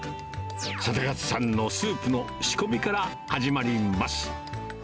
定勝さんのスープの仕込みから始まります。